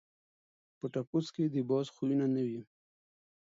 په ټپوس کي د باز خویونه نه وي.